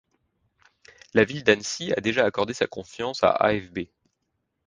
La ville d'Annecy a déjà accordé sa confiance à AfB.